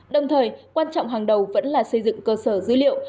đồng thời quan trọng hàng đầu vẫn là xây dựng cơ sở dữ liệu